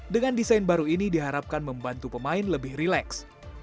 dengan desain baru ini diharapkan membantu pemain lebih rileks